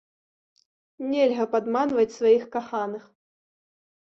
Нельга падманваць сваіх каханых!